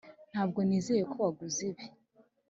ntabwo nizera ko waguze ibi.